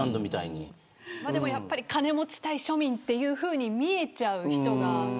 でも、やっぱり金持ち対庶民っていうふうに見えちゃう人が。